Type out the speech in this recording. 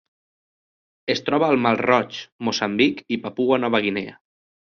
Es troba al mar Roig, Moçambic i Papua Nova Guinea.